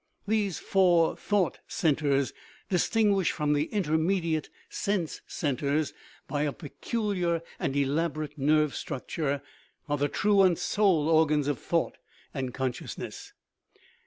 These four " thought centres," distinguished from the intermediate " sense centres " 183 THE RIDDLE OF THE UNIVERSE by a peculiar and elaborate nerve structure, are the true and sole organs of thought and consciousness.